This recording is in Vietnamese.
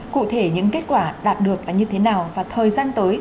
cụ thể những kết quả đạt được là như thế nào và thời gian tới